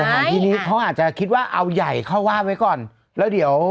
ของทีนี้เขาอาจจะคิดว่าเอาใหญ่เข้าวาดไว้ก่อนแล้วเดี๋ยว